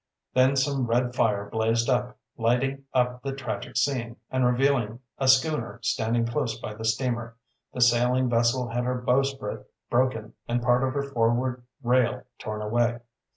Then some red fire blazed up, lighting up the tragic scene, and revealing a schooner standing close by the steamer. The sailing vessel had her bowsprit broken and part of her forward rail torn away.